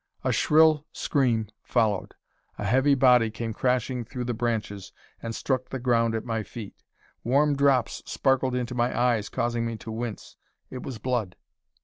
A shrill scream followed; a heavy body came crashing through the branches, and struck the ground at my feet. Warm drops sparkled into my eyes, causing me to wince. It was blood!